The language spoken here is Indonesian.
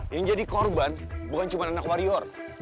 yang jadi korban bukan cuma anak warior